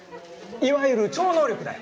いわゆる超能力だよ！